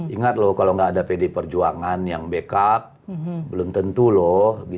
ingat loh kalau nggak ada pd perjuangan yang bekak belum tentu loh